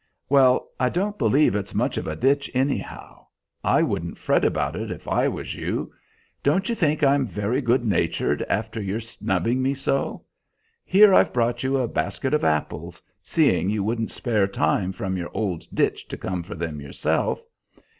"Well, I don't believe it's much of a ditch, anyhow. I wouldn't fret about it if I was you. Don't you think I'm very good natured, after your snubbing me so? Here I've brought you a basket of apples, seeing you wouldn't spare time from your old ditch to come for them yourself.